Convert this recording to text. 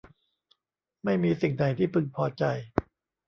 ไม่มีสิ่งไหนที่พึงพอใจ